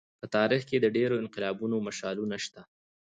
په تاریخ کې د ډېرو انقلابونو مثالونه شته.